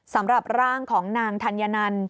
สำหรับร่างของนางธัญนัน